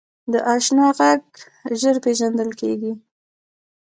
د اشنا غږ ژر پیژندل کېږي